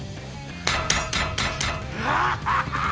ハッハハ！